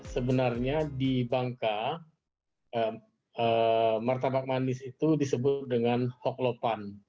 sebenarnya di bangka martabak manis itu disebut dengan hoklopan